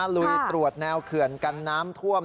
ลุยตรวจแนวเขื่อนกันน้ำท่วม